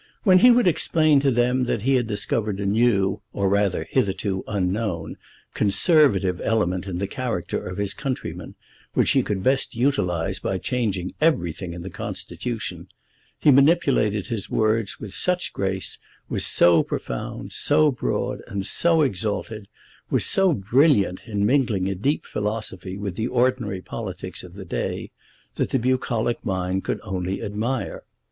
When he would explain to them that he had discovered a new, or rather hitherto unknown, Conservative element in the character of his countrymen, which he could best utilise by changing everything in the Constitution, he manipulated his words with such grace, was so profound, so broad, and so exalted, was so brilliant in mingling a deep philosophy with the ordinary politics of the day, that the bucolic mind could only admire.